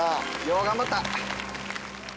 「よう頑張った」